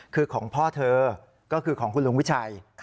คือของพ่อเธอก็คือของคุณลุงวิชัย